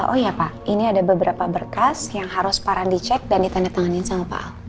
oh iya pak ini ada beberapa berkas yang harus paran dicek dan ditandatanganin sama pak ahok